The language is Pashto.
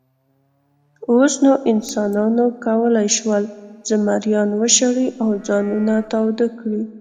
اوس نو انسانانو کولی شول، زمریان وشړي او ځانونه تاوده کړي.